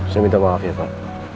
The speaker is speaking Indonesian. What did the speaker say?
saya minta maaf ya pak